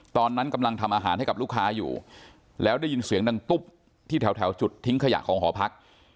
ตอนนั้นกำลังทำอาหารให้กับลูกค้าอยู่แล้วได้ยินเสียงดังตุ๊บที่แถวจุดทิ้งขยะของหอพัก